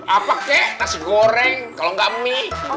apa kek nasi goreng kalau nggak mie